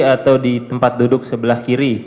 atau di tempat duduk sebelah kiri